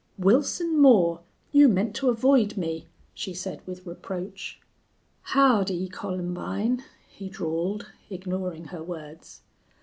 "Wilson Moore, you meant to avoid me," she said, with reproach. "Howdy, Columbine!" he drawled, ignoring her words.